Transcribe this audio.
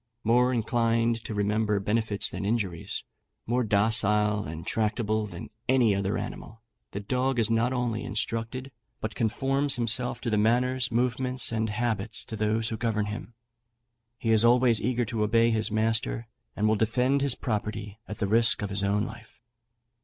More inclined to remember benefits than injuries; more docile and tractable than any other animal, the dog is not only instructed, but conforms himself to the manners, movements, and habits of those who govern him. He is always eager to obey his master, and will defend his property at the risk of his own life."